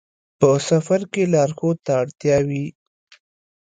په سفر کې لارښود ته اړتیا وي.